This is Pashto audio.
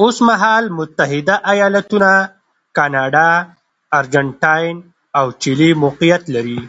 اوس مهال متحده ایالتونه، کاناډا، ارجنټاین او چیلي موقعیت لري.